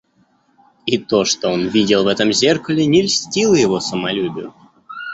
И то, что он видел в этом зеркале, не льстило его самолюбию.